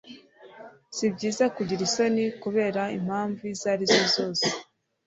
si byiza kugira isoni kubera impamvu izo ari zo zose